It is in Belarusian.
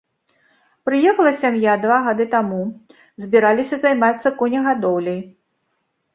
Прыехала сям'я два гады таму, збіраліся займацца конегадоўляй.